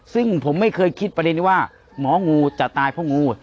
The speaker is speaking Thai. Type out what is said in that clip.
ซึ่งผมไม่เคยคิดประเด็นนี้ว่าหมองูจะตายเพราะงู